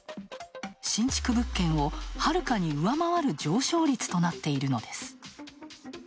新築物件をはるかに上回る上昇率となっているのです。